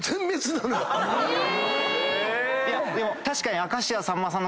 いやでも確かに。